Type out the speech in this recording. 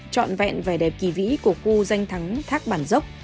trọn vẹn vẻ đẹp kỳ vĩ của khu danh thắng thác bản dốc